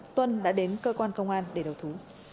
tuân đã đến cơ quan công an để đầu thú